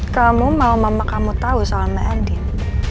kamu mau mama kamu tahu soal meanding